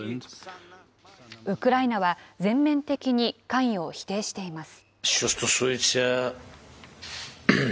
ウクライナは全面的に関与を否定しています。